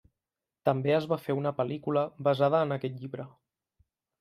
També es va fer una pel·lícula basada en aquest llibre.